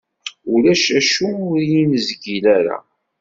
Ulac acu ur yi-nezgil ara.